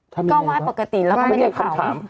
ก็ไหว้ปกติแล้วก็ไม่ได้ข่าวถาม